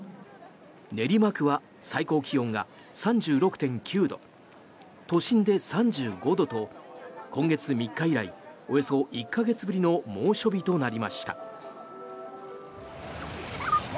練馬区は最高気温が３６．９度都心で３５度と今月３日以来およそ１か月ぶりの猛暑日となりました。